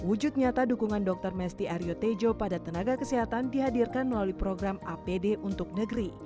wujud nyata dukungan dr mesty aryo tejo pada tenaga kesehatan dihadirkan melalui program apd untuk negeri